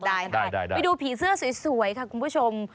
ได้ไปดูผีเสื้อสวยค่ะคุณผู้ชม